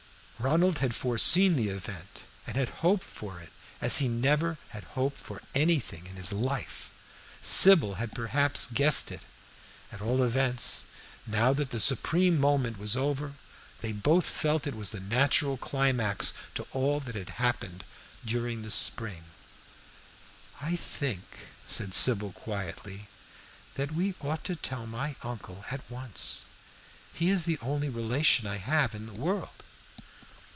Ronald had foreseen the event, and had hoped for it as he never had hoped for anything in his life; Sybil had perhaps guessed it; at all events, now that the supreme moment was over, they both felt that it was the natural climax to all that had happened during the spring. "I think," said Sybil, quietly, "that we ought to tell my uncle at once. He is the only relation I have in the world."